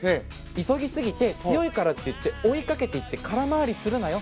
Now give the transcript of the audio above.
急ぎすぎて、強いからといって追いかけていって空回りするなよ。